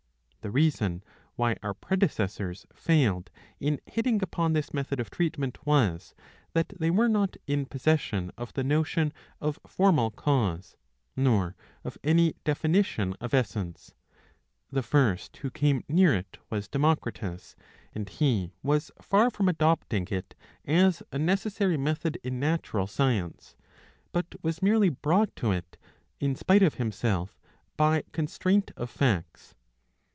The reason why our predecessors failed in hitting upon this method of treatment was, that they were not in possession of the notion of formal cause, nor of any definition of essence.^''' The 642 a. 10 1. I — i. 2. first who came near it was Democritus, and he was far from adopting it as a necessary method in natural science, but was merely brought to it, spite of himself, by constraint of facts.